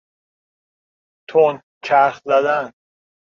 تند چرخ زدن